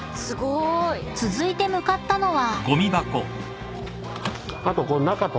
［続いて向かったのは］